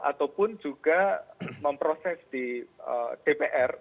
ataupun juga memproses di dpr